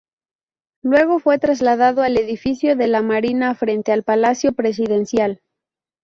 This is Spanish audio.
Luego fue trasladado al edificio de la Marina frente al Palacio Presidencial.